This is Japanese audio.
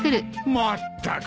まったく！